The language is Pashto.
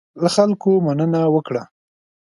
له خلکو مننه وکړه.